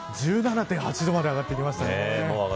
１７．８度まで上がってきました